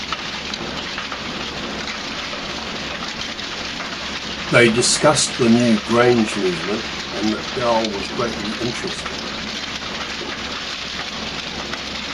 There they discussed the new Grange movement and McDowell was greatly interested.